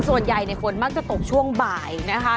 ส่วนใหญ่ฝนมักจะตกช่วงบ่ายนะคะ